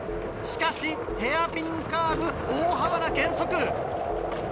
しかしヘアピンカーブ大幅な減速。